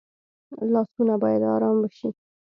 لاسونه باید آرام وشي